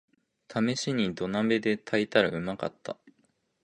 ためしに土鍋で炊いたらうまかった